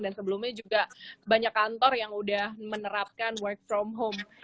dan sebelumnya juga banyak kantor yang udah menerapkan work from home